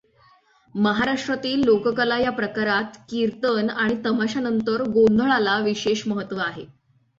महाराष्ट्रातील लोककला या प्रकारात किर्तन आणि तमाशानंतर गोंधळाला विशेष महत्त्व आहे.